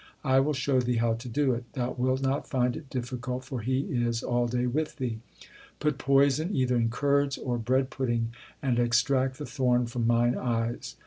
I will show thee how to do it. Thou wilt not find it difficult, for he is all day with thee. Put poison either in curds or bread pudding, and extract the thorn from mine eyes.